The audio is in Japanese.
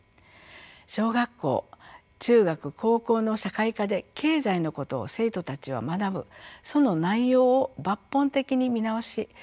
小学校中学高校の社会科で経済のことを生徒たちは学ぶその内容を抜本的に見直し